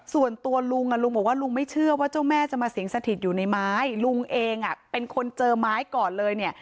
ส่วนตัวลุงลุงบอกว่าลุงไม่เชื่อว่าเจ้าแม่จะมาสิงสถิตอยู่ในไม้ลุงเองเป็นคนเจอไม้ก่อนเลยเนี่ย